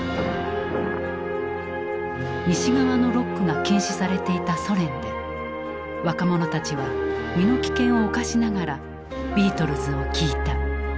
西側のロックが禁止されていたソ連で若者たちは身の危険を冒しながらビートルズを聴いた。